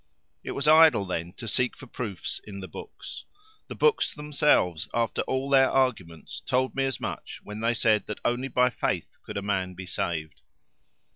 It was idle, then, to seek for proofs in the books. The books themselves, after all their arguments, told me as much when they said that only by faith could a man be saved.